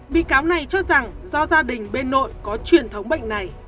bị cáo này cho rằng do gia đình bên nội có truyền thống bệnh này